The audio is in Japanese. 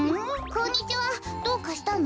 こんにちはどうかしたの？